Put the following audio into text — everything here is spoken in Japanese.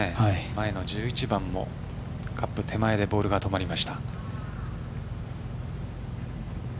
前の１１番もカップ手前でボールが止まりました。